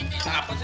ini udah semuanya